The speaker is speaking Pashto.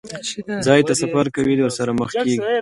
ځای ته سفر کوي، ورسره مخ کېږي.